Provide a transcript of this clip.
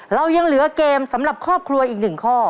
เรายังเหลือเกมสำหรับครอบครัวอีก๑ข้อ